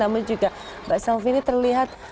namun juga mbak selvi ini terlihat